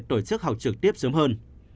tổ chức học trực tiếp sớm hơn